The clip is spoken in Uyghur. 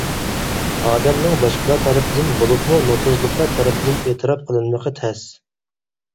ئادەمنىڭ باشقىلار تەرىپىدىن، بولۇپمۇ نوپۇزلۇقلار تەرىپىدىن ئېتىراپ قىلىنمىقى تەس.